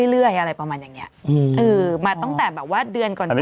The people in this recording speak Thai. เรื่อยอะไรประมาณอย่างเงี้ยเออมาตั้งแต่แบบว่าเดือนก่อนหน้านั้น